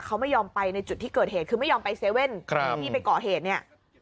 เขาไม่ยอมไปในจุดที่เกิดเหตุคือไม่ยอมไปเซเว่นที่ไปก่อเหตุเนี่ย